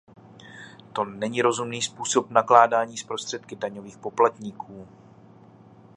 To není rozumný způsob nakládání s prostředky daňových poplatníků.